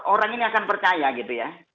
orang ini akan percaya gitu ya